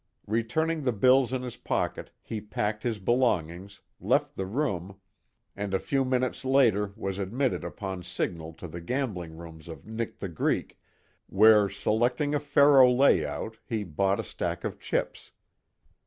Returning the bills in his pocket he packed his belongings, left the room, and a few minutes later was admitted upon signal to the gambling rooms of Nick the Greek where selecting a faro layout, he bought a stack of chips.